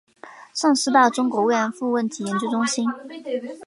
上师大中国慰安妇问题研究中心